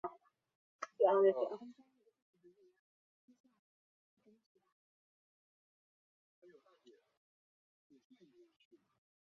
云贵腺药珍珠菜是报春花科珍珠菜属腺药珍珠菜的变种。